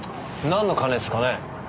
なんの金っすかね？